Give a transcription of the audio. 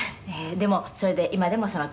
「でもそれで今でもその気持ちは？」